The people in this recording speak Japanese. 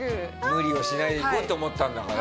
無理をしないでいこうって思ったんだからね。